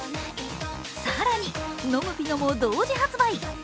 更に、飲むピノも同時発売。